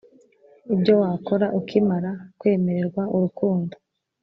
Ibyo wakora ukimara kwemererwa urukundo